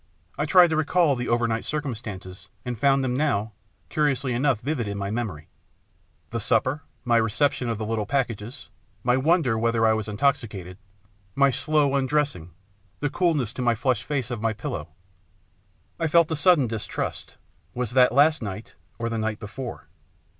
I tried to recall the overnight circumstances, and I found them now, curiously enough, vivid in my memory : the supper, my reception of the little packages, my wonder whether I was intoxicated, my slow undressing, the coolness to my flushed face of my pillow. I felt a sudden distrust. Was that last night, or the night before?